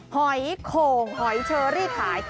หอยโข่งหอยเชอรี่ขาย